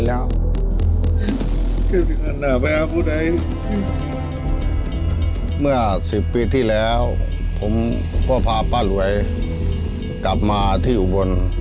ไปชมภาพชีวิตพร้อมกันครับ